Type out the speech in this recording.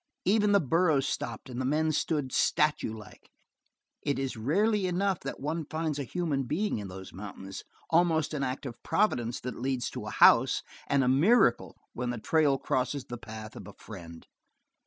Even the burros stopped and the men stood statue like; it is rarely enough that one finds a human being in those mountains, almost an act of Providence that lead to a house, and a miracle when the trail crosses the path of a friend.